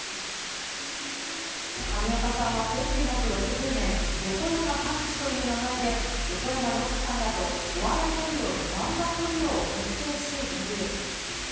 上岡さんは１９６０年、横山パンチという名前で横山ノックさんらとお笑いトリオ、漫画トリオを結成し、デビュー。